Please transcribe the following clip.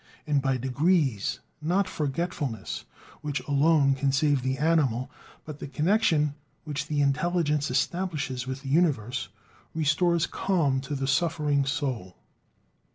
And by degrees, not forgetfulness, which alone can save the animal, but the connection which the intelligence establishes with the universe, restores calm to the suffering soul.